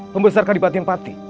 pembesar kadipatin pati